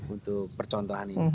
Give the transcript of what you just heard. untuk percontohan ini